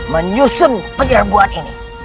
menyusun penyerbuan ini